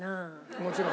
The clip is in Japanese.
もちろん。